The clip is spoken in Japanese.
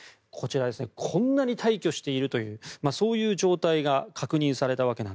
こんなに大挙しているというそういう状態が確認されたと。